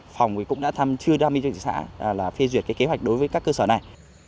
phòng cũng đã thăm chưa đảm bảo cho thị trạng là phê duyệt kế hoạch đối với các cơ sở này